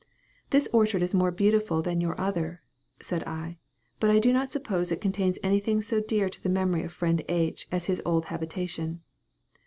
"This orchard is more beautiful than your other," said I; "but I do not suppose it contains anything so dear to the memory of friend H. as his old habitation."